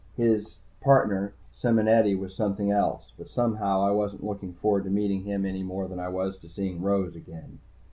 His partner, Simonetti, was something else, but somehow I wasn't looking forward to meeting him any more than I was to seeing Rose again.